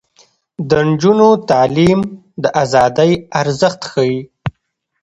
د نجونو تعلیم د ازادۍ ارزښت ښيي.